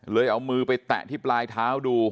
เอามือไปแตะที่ปลายเท้าดู